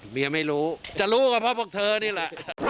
เมียไม่รู้จะรู้กับพ่อพวกเธอนี่ละ